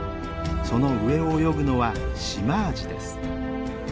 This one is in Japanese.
その上を泳ぐのはシマアジです。